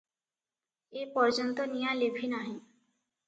ଏପର୍ଯ୍ୟନ୍ତ ନିଆଁ ଲିଭି ନାହିଁ ।